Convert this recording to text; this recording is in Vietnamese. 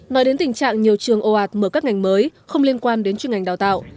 nói đến tình trạng nhiều trường oat mở các ngành mới không liên quan đến chuyên ngành đào tạo